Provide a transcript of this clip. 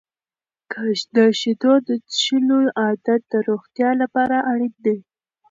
د شیدو د څښلو عادت د روغتیا لپاره اړین دی.